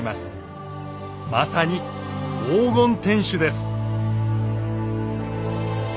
まさに黄金天守です。